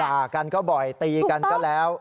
ด่ากันก็บ่อยตีกันก็แล้ว